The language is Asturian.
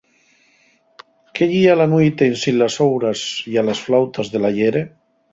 Qué yía la nueite ensin las houras ya las flautas del ayere.